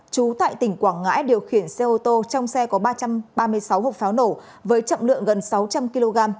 chú tại tỉnh quảng ngãi điều khiển xe ô tô trong xe có ba trăm ba mươi sáu hộp pháo nổ với chậm lượng gần sáu trăm linh kg